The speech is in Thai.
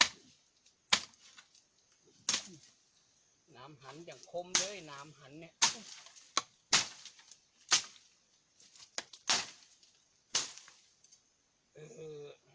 น้ำหันอย่างคมเลยน้ำหันเนี่ย